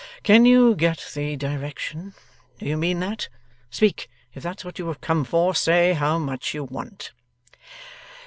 Can you get the direction? Do you mean that? Speak! If that's what you have come for, say how much you want.